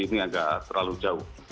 ini agak terlalu jauh